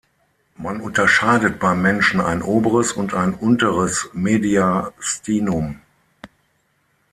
Man unterscheidet beim Menschen ein oberes und ein unteres Mediastinum.